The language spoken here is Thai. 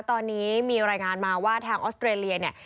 ตอนนี้มีรายงานมาว่าทางออสเตรเลียเนี่ย